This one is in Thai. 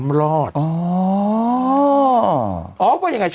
สวัสดีครับคุณผู้ชม